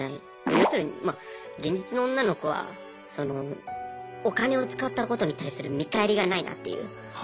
要するに現実の女の子はお金を使ったことに対する見返りがないなっていう。